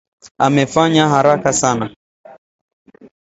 Amefanya haraka sana.